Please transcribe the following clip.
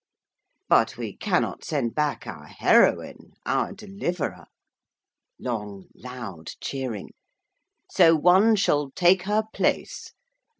But we cannot send back our heroine, our deliverer.' (Long, loud cheering.) 'So one shall take her place.